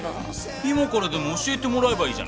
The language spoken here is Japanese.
今からでも教えてもらえばいいじゃないですか。